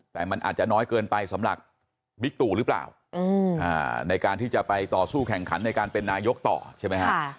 แต่มันอาจจะน้อยเกินไปสำหรับบิ๊กตู่หรือเปล่าในการที่จะไปต่อสู้แข่งขันในการเป็นนายกต่อใช่ไหมฮะ